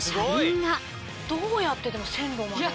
どうやってでも線路まで。